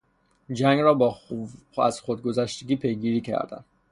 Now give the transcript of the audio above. جنگ را با از خود گذشتگی پیگیری کردن